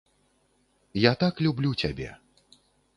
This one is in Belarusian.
Я так люблю цябе!